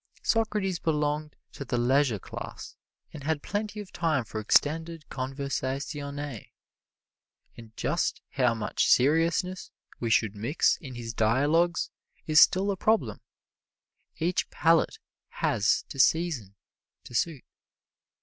Socrates belonged to the leisure class and had plenty of time for extended conversazione, so just how much seriousness we should mix in his dialogues is still a problem. Each palate has to season to suit.